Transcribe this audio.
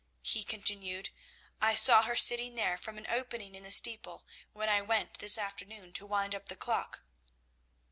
he continued, 'I saw her sitting there from an opening in the steeple when I went this afternoon to wind up the clock.'